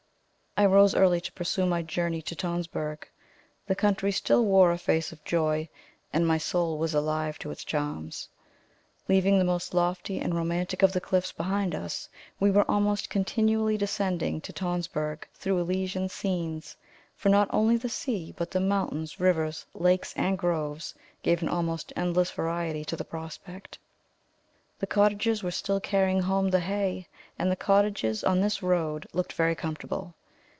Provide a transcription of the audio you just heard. I rose early to pursue my journey to Tonsberg. The country still wore a face of joy and my soul was alive to its charms. Leaving the most lofty and romantic of the cliffs behind us, we were almost continually descending to Tonsberg, through Elysian scenes; for not only the sea, but mountains, rivers, lakes, and groves, gave an almost endless variety to the prospect. The cottagers were still carrying home the hay; and the cottages on this road looked very comfortable.